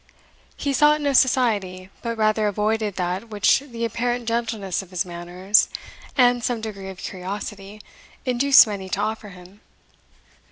He sought no society, but rather avoided that which the apparent gentleness of his manners, and some degree of curiosity, induced many to offer him.